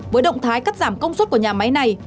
với động thái cắt giảm công suất của nhà máy này